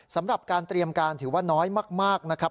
สำหรับการเตรียมการถือว่าน้อยมากนะครับ